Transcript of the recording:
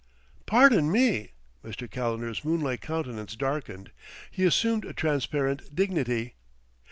"Pardon me." Mr. Calendar's moon like countenance darkened; he assumed a transparent dignity.